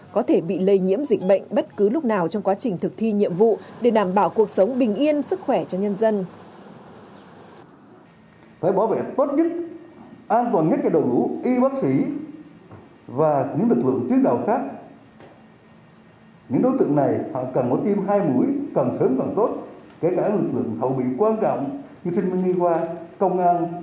có thể bị lây nhiễm dịch bệnh bất cứ lúc nào trong quá trình thực thi nhiệm vụ để đảm bảo cuộc sống bình yên sức khỏe cho nhân dân